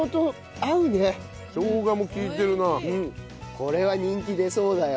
これは人気出そうだよ。